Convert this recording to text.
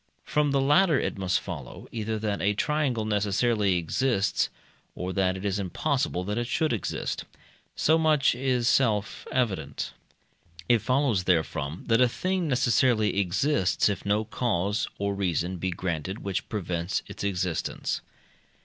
From the latter it must follow, either that a triangle necessarily exists, or that it is impossible that it should exist. So much is self evident. It follows therefrom that a thing necessarily exists, if no cause or reason be granted which prevents its existence.